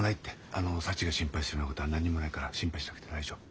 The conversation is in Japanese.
あのサチが心配するようなことは何にもないから心配しなくて大丈夫。